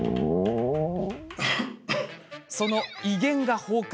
その威厳が崩壊。